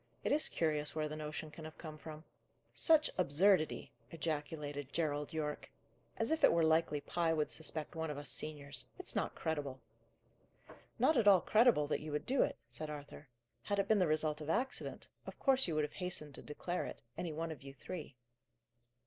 "It is curious where the notion can have come from." "Such absurdity!" ejaculated Gerald Yorke. "As if it were likely Pye would suspect one of us seniors! It's not credible." "Not at all credible that you would do it," said Arthur. "Had it been the result of accident, of course you would have hastened to declare it, any one of you three."